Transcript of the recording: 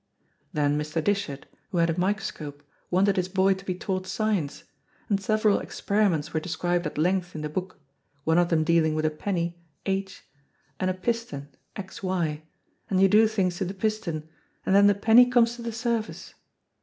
Then Mr. Dishart, who had a microscope, wanted his boy to be taught science, and several experiments were described at length in the book, one of them dealing with a penny, H, and a piston, X Y, and you do things to the piston "and then the penny comes to the surface."